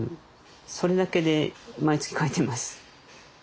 それだけで毎月書いてます。